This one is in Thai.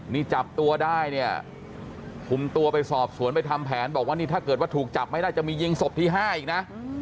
นี่จับตัวได้เนี่ยคุมตัวไปสอบสวนไปทำแผนบอกว่านี่ถ้าเกิดว่าถูกจับไม่ได้จะมียิงศพที่๕อีกนะ